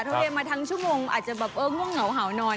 เท่าเรียนมาทั้งชั่วโมงอาจจะแบบเงาเหงาหาวนอน